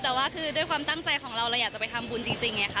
แต่ว่าคือด้วยความตั้งใจของเราเราอยากจะไปทำบุญจริงไงค่ะ